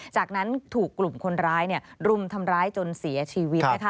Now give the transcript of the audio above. จากนั้นถูกกลุ่มคนร้ายรุมทำร้ายจนเสียชีวิตนะคะ